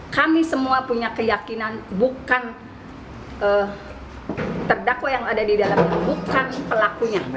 kami semua punya keyakinan bukan terdakwa yang ada di dalamnya bukan pelakunya